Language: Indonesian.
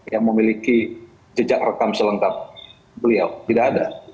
yang memiliki jejak rekam selengkap beliau tidak ada